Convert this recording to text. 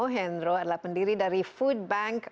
hendro adalah pendiri dari foodbank